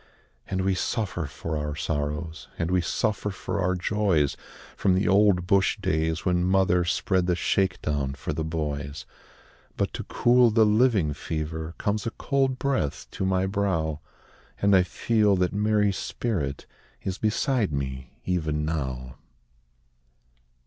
And we suffer for our sorrows, And we suffer for our joys, From the old bush days when mother Spread the shake down for the boys. But to cool the living fever, Comes a cold breath to my brow, And I feel that Mary's spirit Is beside me, even now.